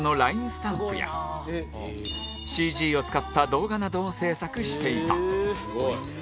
スタンプや ＣＧ を使った動画などを制作していた